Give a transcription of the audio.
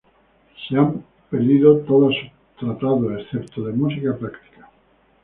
Se han perdido todos sus tratados excepto "De musica practica".